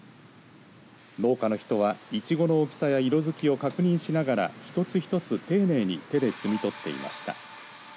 農家の人は、いちごの大きさや色づきを確認しながら一つ一つ丁寧に手で摘み取っていました。